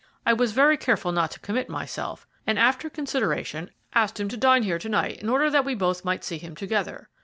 I was very careful not to commit myself, and after consideration decided to ask him to dine here to night in order that we both might see him together.